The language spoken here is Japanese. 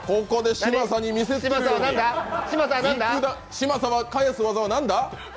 嶋佐が返す技は何だ？